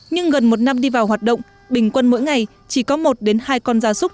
nhưng gần một năm đi vào hoạt động bình quân mỗi ngày chỉ có một hai con ra sốc